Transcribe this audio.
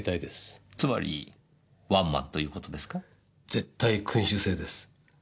絶対君主制です。